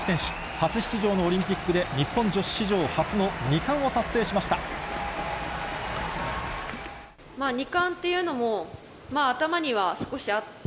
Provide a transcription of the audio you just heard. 初出場のオリンピックで、日本女子史上初の２冠を達成しました。